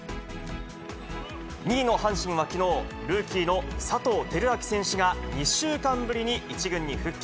２位の阪神はきのう、ルーキーの佐藤輝明選手が、２週間ぶりに１軍に復帰。